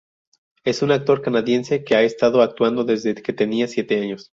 Es un actor canadiense que ha estado actuando desde que tenía siete años.